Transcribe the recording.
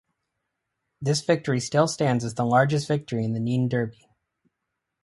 This victory still stands as the largest victory in the Nene derby.